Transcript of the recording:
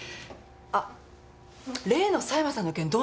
あっ例の狭山さんの件どうなった？